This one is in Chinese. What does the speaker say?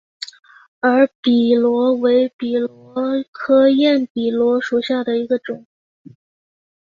耳笔螺为笔螺科焰笔螺属下的一个种。